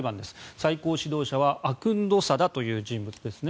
最高指導者はアクンドザダという人物です。